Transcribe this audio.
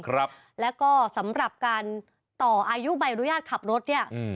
ครับแล้วก็สำหรับการต่ออายุใบอนุญาตขับรถเนี้ยอืม